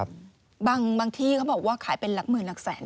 บางที่เขาบอกว่าขายเป็นหลักหมื่นหลักแสน